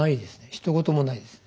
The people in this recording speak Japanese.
ひと言もないです。